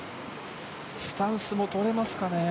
スタンスを取れますかね？